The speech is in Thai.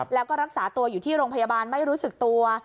แล้วก็รักษาตัวอยู่ที่โรงพยาบาลไม่รู้สึกตัว